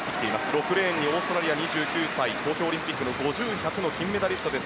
６レーンにオーストラリア、２９歳東京オリンピックの５０、１００の金メダリストです。